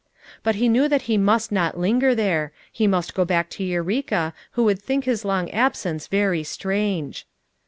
But he knew that he must not linger there, he must go back to Eureka who would think his long absence very strange.